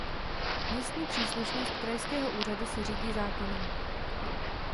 Místní příslušnost krajského úřadu se řídí zákonem.